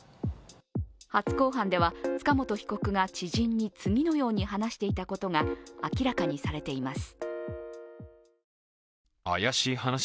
初公判では、塚本被告が知人に次のように話していたことが明らかにされています。